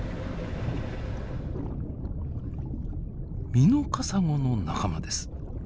ミノカサゴの仲間です。